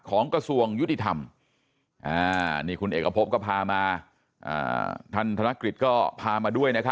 ของกระทรวงยุธิธรรม